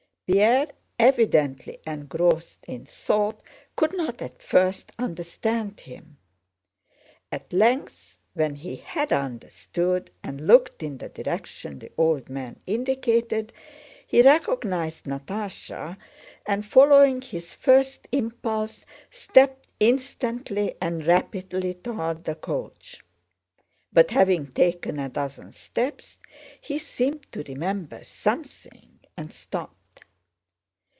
Pierre, evidently engrossed in thought, could not at first understand him. At length when he had understood and looked in the direction the old man indicated, he recognized Natásha, and following his first impulse stepped instantly and rapidly toward the coach. But having taken a dozen steps he seemed to remember something and stopped.